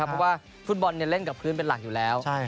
เพราะว่าฟุตบอลเล่นกับพื้นเป็นหลักอยู่แล้ว